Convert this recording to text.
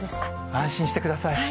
安心してください。